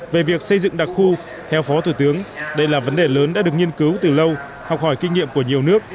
về việc xây dựng đặc khu theo phó thủ tướng đây là vấn đề lớn đã được nghiên cứu từ lâu học hỏi kinh nghiệm của nhiều nước